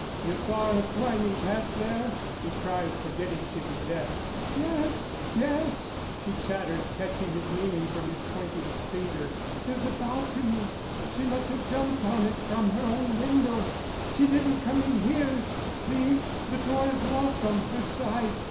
"You saw her climbing past there?" he cried, forgetting she was deaf. "Yes, yes," she chattered, catching his meaning from his pointing finger. "There's a balcony. She must have jumped on it from her own window. She didn't come in here. See! the door is locked on her side."